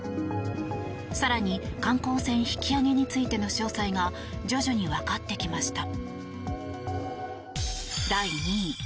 更に観光船引き揚げについての詳細が徐々にわかってきました。